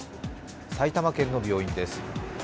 埼玉県の病院です。